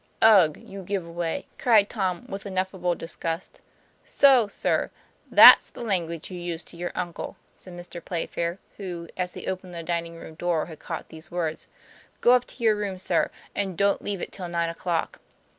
"' Ugh! you give away!" cried Tom with ineffable disgust. ''So, sir; that's the language you use to your uncle," said Mr. Playfair, who as he opened the din ing room door had caught these words. " Go up to your room, sir, and don't leave it till nine o'clock.